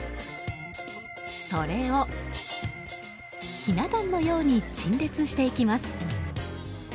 それを、ひな壇のように陳列していきます。